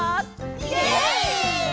イエイ！